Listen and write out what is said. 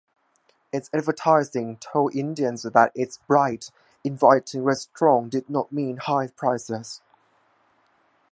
Its advertising told Indians that its bright, inviting restaurants did not mean high prices.